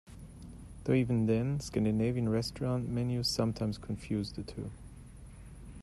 Though even then, Scandinavian restaurant menus sometimes confuse the two.